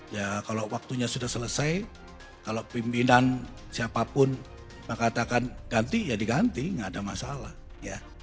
ya kalau waktunya sudah selesai kalau pimpinan siapapun mengatakan ganti ya diganti nggak ada masalah ya